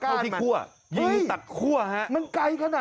เข้าที่คั่วยืนตัดคั่วฮะมันไกลขนาด